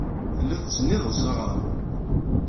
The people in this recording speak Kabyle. Tellid tettsennided s aɣrab.